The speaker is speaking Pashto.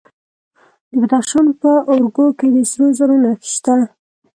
د بدخشان په ارګو کې د سرو زرو نښې شته.